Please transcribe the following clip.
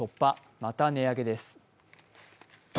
また値上げです。